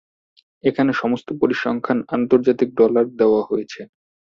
এখানে সমস্ত পরিসংখ্যান আন্তর্জাতিক ডলারে দেয়া হয়েছে।